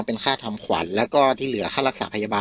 เป็นค่าทำขวัญแล้วก็ที่เหลือค่ารักษาพยาบาล